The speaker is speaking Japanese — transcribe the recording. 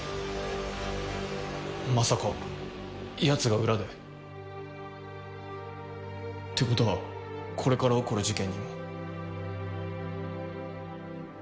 まさかヤツが裏で？ってことはこれから起こる事件にも。